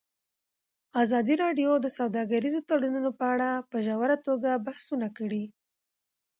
ازادي راډیو د سوداګریز تړونونه په اړه په ژوره توګه بحثونه کړي.